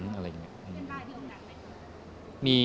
เป็นลายเดียวกันหรอ